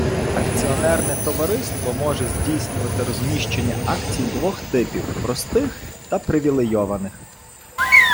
Акціонерне товариство може здійснювати розміщення акцій двох типів - простих та привілейованих.